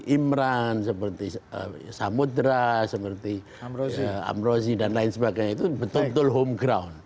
imran seperti samudra seperti ambrose ambrose dan lain sebagainya itu betul betul home ground